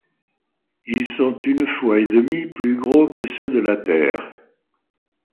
Ils sont une fois et demi plus gros que ceux de la Tærre.